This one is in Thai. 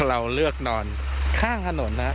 เราเลือกนอนข้างถนนนะ